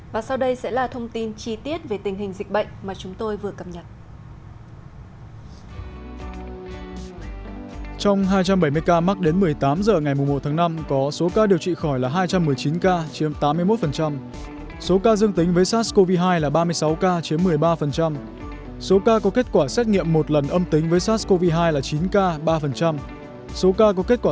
và sau đây sẽ là thông tin chi tiết về tình hình dịch bệnh mà chúng tôi vừa cập nhật